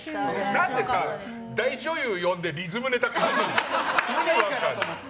何で大女優呼んでリズムネタ書くの？